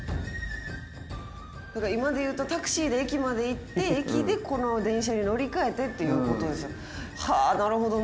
今で言うとタクシーで駅まで行って駅でこの電車に乗り換えてっていうことですよ。はあなるほど。